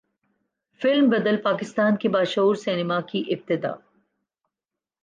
film بدل پاکستان کے باشعور سینما کی ابتدا